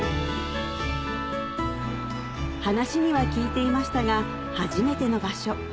話には聞いていましたが初めての場所